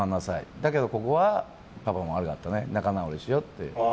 だけどここはパパも悪かったね仲直りしようって。